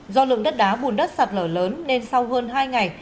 do lượng đất đá bùn đất sạt lở lớn nên sau hơn hai ngày